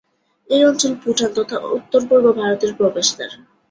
এই অঞ্চল ভুটান তথা উত্তর-পূর্ব ভারতের প্রবেশদ্বার।